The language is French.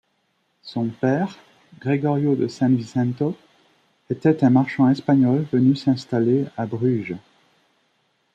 Son père, Gregorio de San Vicento, était un marchand espagnol venu s'installer à Bruges.